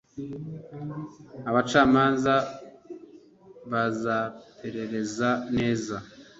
abacamanza bazaperereze neza,